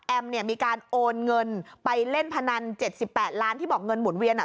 เนี่ยมีการโอนเงินไปเล่นพนัน๗๘ล้านที่บอกเงินหมุนเวียนอ่ะ